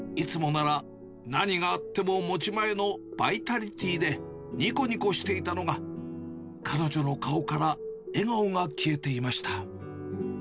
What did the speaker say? いつもなら、何があっても持ち前のバイタリティーでにこにこしていたのが、彼女の顔から笑顔が消えていました。